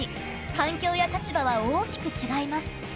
環境や立場は大きく違います。